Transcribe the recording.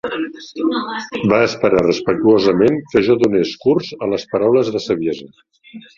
Va esperar respectuosament que jo donés curs a les paraules de saviesa.